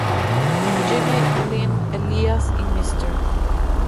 Jimmy, Lynn, Elías y Mr.